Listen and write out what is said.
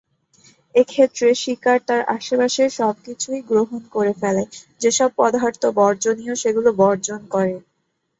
এক্ষেত্রে শিকার তার আশপাশের সবকিছুই গ্রহণ করে ফেলে, যেসব পদার্থ বর্জনীয় সেগুলো বর্জন করে।